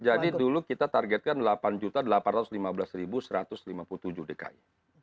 jadi dulu kita targetkan delapan delapan ratus lima belas satu ratus lima puluh tujuh dki